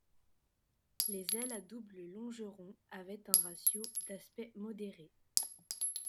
Les ailes à double longeron avaient un ratio d'aspect modéré.